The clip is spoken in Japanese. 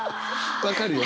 分かるよ。